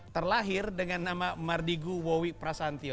terlahir dengan nama mardigu wowi prasantio